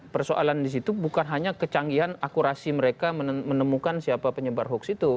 persoalan di situ bukan hanya kecanggihan akurasi mereka menemukan siapa penyebar hoax itu